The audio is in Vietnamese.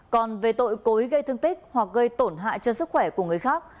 còn về tội cối gây thương tích hoặc gây tổn hại cho sức khỏe của người khác